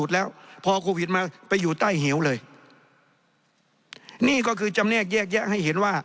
แล้วก็มาอยู่พื้นดิน